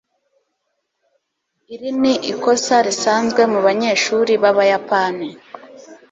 Iri ni ikosa risanzwe mubanyeshuri b'Abayapani.